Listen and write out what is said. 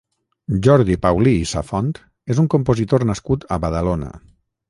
Jordi Paulí i Safont és un compositor nascut a Badalona.